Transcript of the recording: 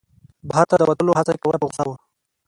بهر ته د وتلو هڅه یې کوله په غوسه و.